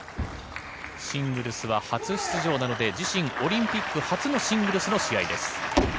シングルスは初出場なので自身オリンピック初のシングルスの試合です。